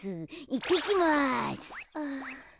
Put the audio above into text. いってきます。